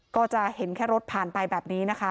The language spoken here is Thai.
ก็จะเห็นแค่รถผ่านไปแบบนี้นะคะ